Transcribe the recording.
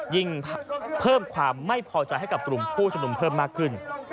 ยิ่งเพิ่มความไม่พอใจให้กับกลุ่มผู้ชมนุมเพิ่มมากขึ้น